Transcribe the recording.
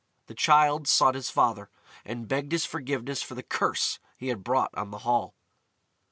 The Childe sought his father, and begged his forgiveness for the curse he had brought on the Hall.